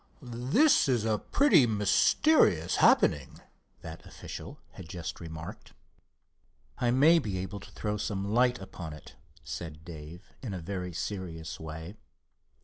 "This is a pretty mysterious happening," that official had just remarked. "I may be able to throw some light upon it," said Dave, in a very serious way.